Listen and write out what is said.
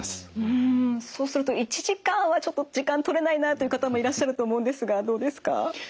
うんそうすると１時間はちょっと時間とれないなという方もいらっしゃると思うんですがどうですか？